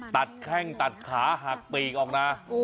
แข้งตัดขาหักปีกออกนะ